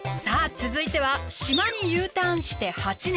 続いては島にＵターンして８年。